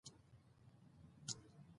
کتابونه افغانستان ته ولېږل شول.